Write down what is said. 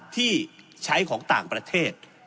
ที่ใช้ของต่างประเทศ